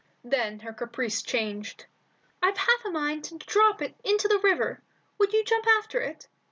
Then her caprice changed. "I've half a mind to drop it into the river. Would you jump after it?"